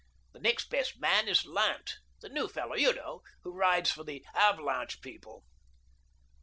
The next best man is Lant — the new fellow, you know — who rides for the ' Avalanche ' people."